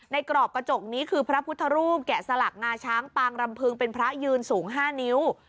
กรอบกระจกนี้คือพระพุทธรูปแกะสลักงาช้างปางรำพึงเป็นพระยืนสูง๕นิ้ว